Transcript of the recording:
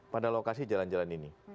pada lokasi jalan jalan ini